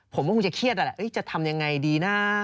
ผมก็คงจะเครียดนั่นแหละจะทำยังไงดีนะ